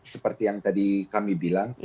seperti yang tadi kami bilang